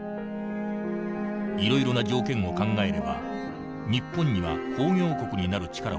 いろいろな条件を考えれば日本には工業国になる力はなかった。